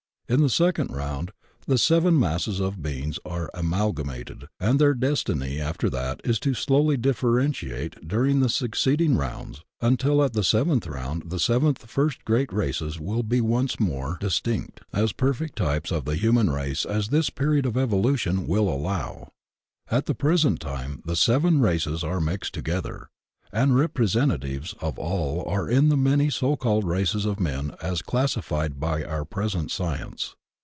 In the second round the seven 128 THE OCEAN OP THEOSOPHY masses of beings are amalgamated, and their destiny after that is to slowly differentiate during the suc ceeding rounds until at the seventh round the seven first great races will be once more distinct, as perfect types of the human race as this period of evolution will allow. At the present time the seven races are mixed together, and representatives of all are in the many so called races of men as classified by our present science.